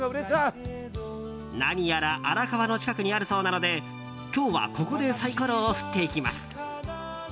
何やら荒川の近くにあるそうなので今日は、ここでサイコロを振っていきます。